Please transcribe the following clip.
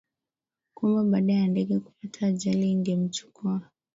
kwamba baada ya ndege kupata ajali igemchukua